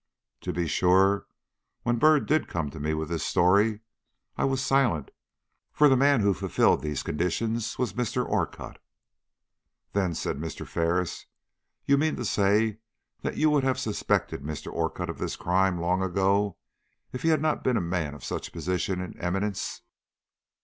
To be sure, when Byrd did come to me with this story, I was silent, for the man who fulfilled these conditions was Mr. Orcutt." "Then," said Mr. Ferris, "you mean to say that you would have suspected Mr. Orcutt of this crime long ago if he had not been a man of such position and eminence?"